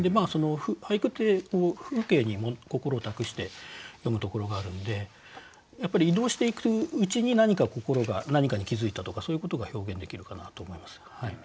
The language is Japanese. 俳句って風景に心を託して詠むところがあるんでやっぱり移動していくうちに何か心が何かに気付いたとかそういうことが表現できるかなと思います。